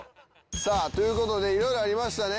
さあという事で色々ありましたね。